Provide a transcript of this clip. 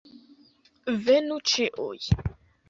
Venu ĉiuj!